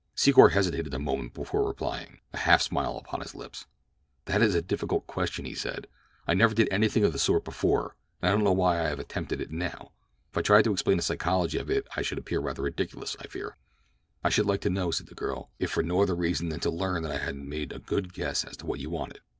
Secor hesitated a moment before replying, a half smile upon his lips, "That is a difficult question," he said. "I never did anything of the sort before, and I don't know why I have attempted it now. If I tried to explain the psychology of it I should appear ridiculous, I fear." "I should like to know," said the girl, "if for no other reason than to learn that I had made a good guess as to what you wanted."